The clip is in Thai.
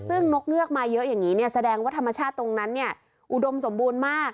ซึ่งนกเงือกมาเยอะอย่างนี้เนี่ยแสดงว่าธรรมชาติตรงนั้นเนี่ยอุดมสมบูรณ์มาก